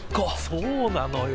そうなのよ。